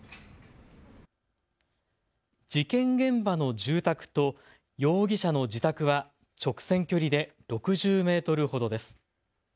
事件現場の住宅と容疑者の自宅は直線距離で６０メートルほどです。